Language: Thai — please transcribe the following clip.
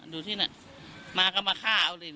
ดูนี่มาก็มาฆ่า